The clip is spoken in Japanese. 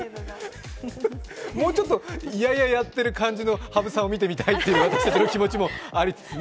もうちょっといやいややってる感じの羽生さんを見てみたいという気持ちもありつつね。